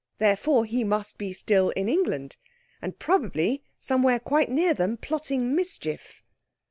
Therefore he must be still in England, and probably somewhere quite near them, plotting mischief.